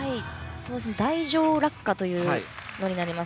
台上落下というものになります。